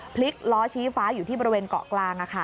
พลิกล้อชี้ฟ้าอยู่ที่บริเวณเกาะกลาง